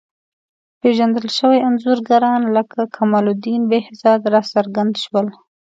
پېژندل شوي انځورګران لکه کمال الدین بهزاد راڅرګند شول.